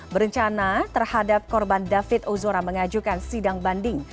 berencana terhadap korban david ozora mengajukan sidang banding